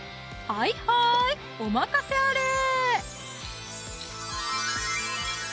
はいはいお任せあれ